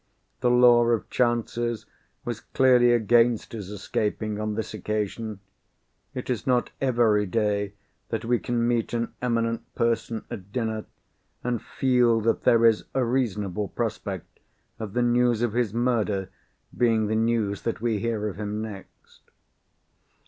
The law of chances was clearly against his escaping on this occasion. It is not every day that we can meet an eminent person at dinner, and feel that there is a reasonable prospect of the news of his murder being the news that we hear of him next.